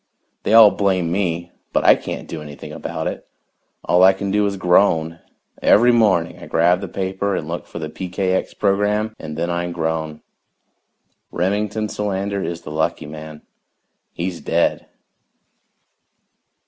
They all blame me, but I can't do anything about it. All I can do is groan every morning I grab the paper and look for the PKX program and then I groan. Remington Solander is the lucky man he's dead.